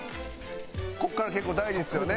ここから結構大事ですよね。